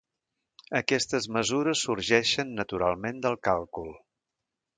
Aquestes mesures sorgeixen naturalment del càlcul.